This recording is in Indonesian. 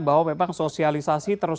bahwa memang sosialisasi terus